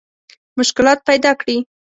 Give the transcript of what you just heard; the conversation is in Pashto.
مشکلات پیدا کړي.